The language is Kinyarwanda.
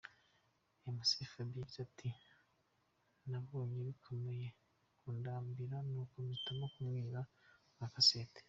Mc Fab yagize ati: "Nabonye bikomeje kundambira nuko mpitamo kumwiba agakasete.